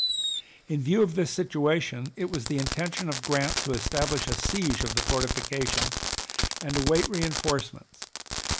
In view of this situation it was the intention of Grant to establish a siege of the fortifications and await reinforcements.